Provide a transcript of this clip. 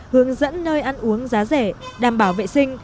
hướng dẫn nơi ăn uống giá rẻ đảm bảo vệ sinh